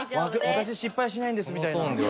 「私失敗しないんです」みたいな。